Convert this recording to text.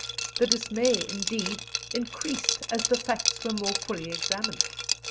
The dismay, indeed, increased as the facts were more fully examined.